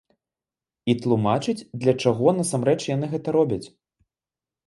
І тлумачыць, для чаго насамрэч яны гэта робяць.